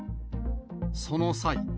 その際。